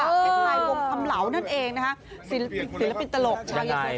ภายนายองค์ทำเหล้านั่นเองนะคะศิลปิตตลไลก์